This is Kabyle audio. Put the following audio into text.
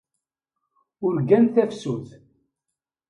Urgan tafsut.